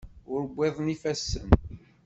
Ur wwiḍen yifassen.